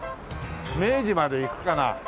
明治までいくかな？